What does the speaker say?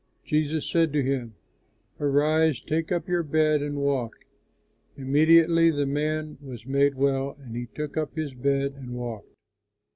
Jesus said to him, "Arise, take up your bed, and walk." Immediately the man was made well, and he took up his bed and walked.